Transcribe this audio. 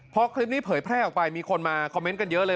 พอคลิปนี้เผยแพร่ออกไปมีคนมาคอมเมนต์กันเยอะเลย